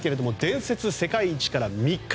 伝説、世界一から３日。